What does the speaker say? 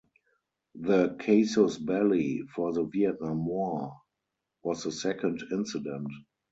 The "casus belli" for the Vietnam War was the second incident.